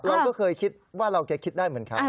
เราก็เคยคิดว่าเราจะคิดได้เหมือนกัน